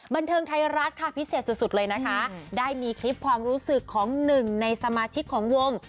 บันเทิงไทยรัฐค่ะพิเศษสุดเลยนะคะได้มีคลิปความรู้สึกของหนึ่งในสมาชิกของวง